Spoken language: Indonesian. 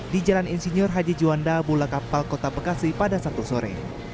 di jalan insinyur haji juanda bula kapal kota bekasi pada sabtu sore